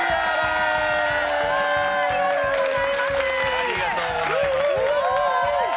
ありがとうございます！